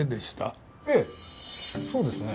ええそうですね。